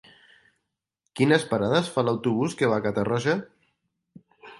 Quines parades fa l'autobús que va a Catarroja?